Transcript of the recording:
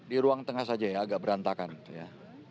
di ruang tengah saja ya agak berantakan ya